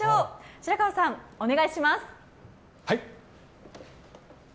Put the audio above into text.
白川さん、お願いします。